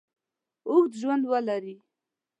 اوږد ژوند ولري.